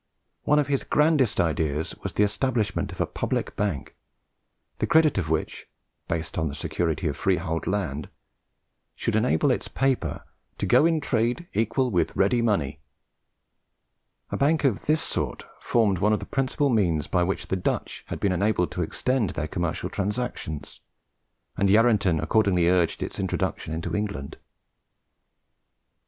One of his grandest ideas was the establishment of a public bank, the credit of which, based upon the security of freehold land, should enable its paper "to go in trade equal with ready money." A bank of this sort formed one of the principal means by which the Dutch had been enabled to extend their commercial transactions, and Yarranton accordingly urged its introduction into England.